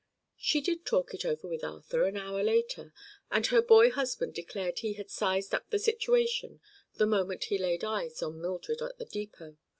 She did talk it over with Arthur, an hour later, and her boy husband declared he had "sized up the situation" the moment he laid eyes on Mildred at the depot.